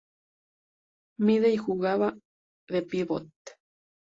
Mide y jugaba de pívot.